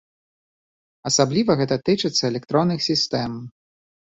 Асабліва гэта тычыцца электронных сістэм.